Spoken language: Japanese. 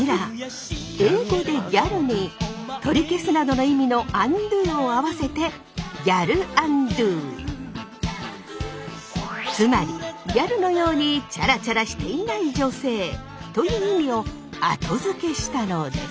英語で「ｇａｌ」に取り消すなどの意味の「ｕｎｄｏ」を合わせてつまりギャルのようにチャラチャラしていない女性という意味を後付けしたのです。